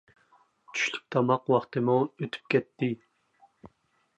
چۈشلۈك تاماق ۋاقتىمۇ ئۆتۈپ كەتتى.